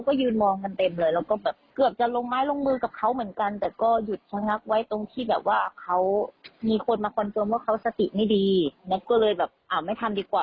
เป็นตอนนี้ที่โดนติดตัวที่มันก้นเหลยแรงมาก